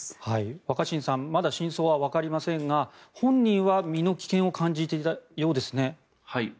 若新さんまだ真相はわかりませんが本人は身の危険を感じていたようですね。